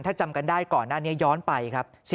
ถ้าจำกันได้ก่อนหน้านี้ย้อนไปครับ